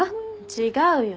違うよ。